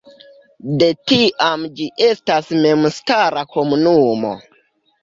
De tiam ĝi estas memstara komunumo.